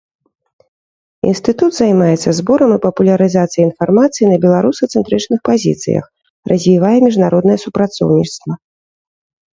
Інстытут займаецца зборам і папулярызацыяй інфармацыі на беларусацэнтрычных пазіцыях, развівае міжнароднае супрацоўніцтва.